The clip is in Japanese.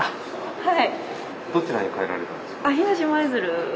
はい。